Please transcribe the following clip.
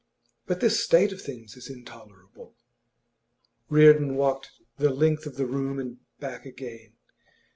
'But this state of things is intolerable!' Reardon walked the length of the room and back again.